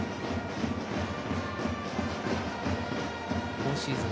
今シーズン